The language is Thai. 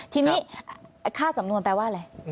ทีนี้ค่าสำนวนแปลว่าอะไร